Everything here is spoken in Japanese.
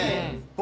僕